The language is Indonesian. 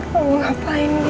kau mau ke tempat yang terbaik